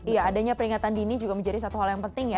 iya adanya peringatan dini juga menjadi satu hal yang penting ya